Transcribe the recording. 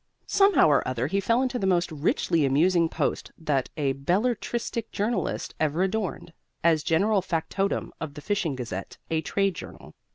Somehow or other he fell into the most richly amusing post that a belletristic journalist ever adorned, as general factotum of The Fishing Gazette, a trade journal.